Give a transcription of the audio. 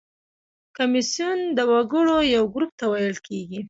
کمیسیون د وګړو یو ګروپ ته ویل کیږي.